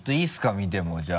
見てもじゃあ。